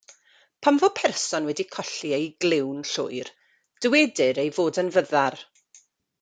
Pan fo person wedi colli ei glyw'n llwyr, dywedir ei fod yn fyddar.